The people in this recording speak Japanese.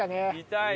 痛い。